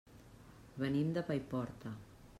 Venim de Paiporta.